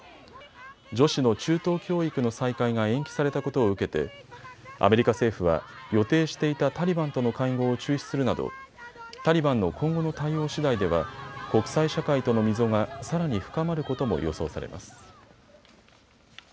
女子の中等教育の再開が延期されたことを受けてアメリカ政府は予定していたタリバンとの会合を中止するなどタリバンの今後の対応しだいでは国際社会との溝がさらに深まることも予想されます。